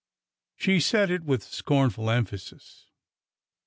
She said it with scornful emphasis.